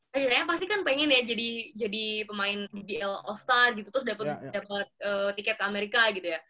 saya pasti kan pengen ya jadi pemain bl all star gitu terus dapat tiket ke amerika gitu ya